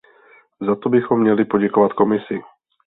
Za to bychom měli poděkovat Komisi.